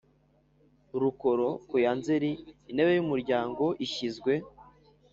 Rukoro kuya nzeri intebe y umuryango ishyizwe